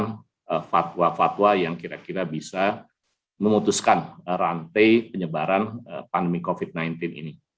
dengan fatwa fatwa yang kira kira bisa memutuskan rantai penyebaran pandemi covid sembilan belas ini